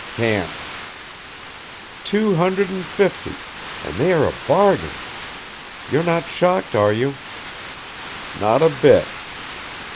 "Can't." "Two hundred and fifty and they are a bargain. You're not shocked, are you?" "Not a bit."